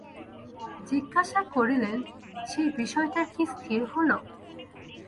জিজ্ঞাসা করিলেন, সেই বিষয়টার কী স্থির হল?